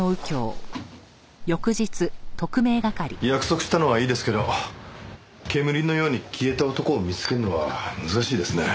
約束したのはいいですけど煙のように消えた男を見つけるのは難しいですね。